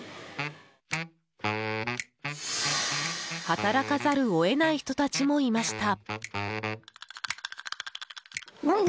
働かざるを得ない人たちもいました。